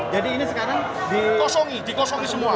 jadi ini sekarang dikosongi dikosongi semua